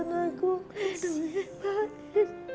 yang telah di gulf